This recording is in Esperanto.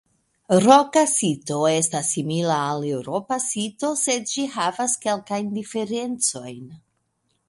Roka sito estas simila al eŭropa sito sed ĝi havas kelkajn diferencojn.